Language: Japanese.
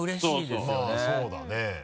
まぁそうだね。